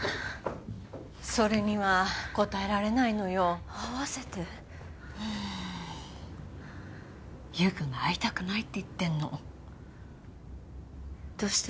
それには答えられないのよ会わせてうん優くんが会いたくないって言ってんのどうして？